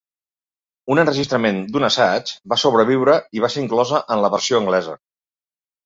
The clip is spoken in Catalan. Un enregistrament d'un assaig va sobreviure i va ser inclosa en la versió anglesa.